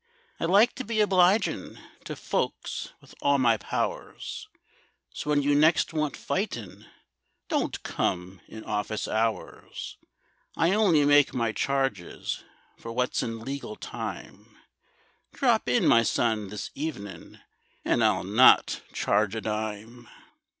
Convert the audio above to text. "I like to be obligin' To folks with all my powers, So when you next want fightin' Don't come in office hours; I only make my charges For what's in legal time,— Drop in, my son, this evenin', And I'll not charge a dime."